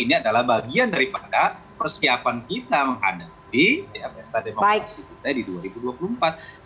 ini adalah bagian daripada persiapan kita menghadapi pesta demokrasi kita di dua ribu dua puluh empat